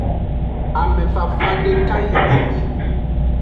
Ame fafa deka yi enyi.